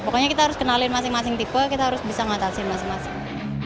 pokoknya kita harus kenalin masing masing tipe kita harus bisa mengatasin masing masing